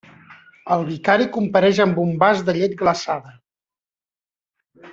El vicari compareix amb un vas de llet glaçada.